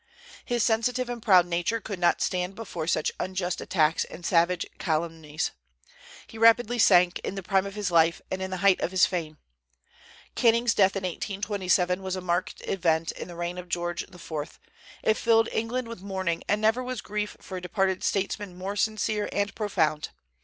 His sensitive and proud nature could not stand before such unjust attacks and savage calumnies. He rapidly sank, in the prime of his life and in the height of his fame. Canning's death in 1827 was a marked event in the reign of George IV.; it filled England with mourning, and never was grief for a departed statesman more sincere and profound.